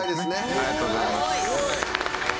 ありがとうございます。